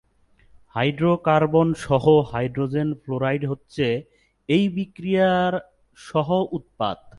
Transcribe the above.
Hydrocarbon সহ hydrogen fluoride হচ্ছে এই বিক্রিয়ার সহ-উৎপাদ।